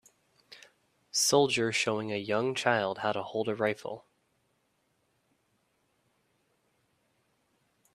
Soldier showing a young child how to hold a rifle